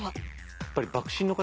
やっぱり幕臣の方